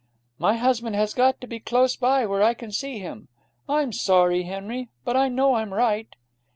My husband has got to be close by, where I can see him. I'm sorry, Henry, but I know I'm right.'